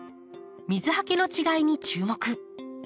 水はけの違いに注目。